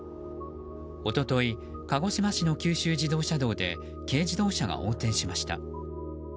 一昨日鹿児島市の九州自動車道で軽自動車が横転しました。